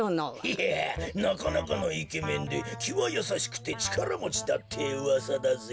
いやなかなかのイケメンできはやさしくてちからもちだってうわさだぜ。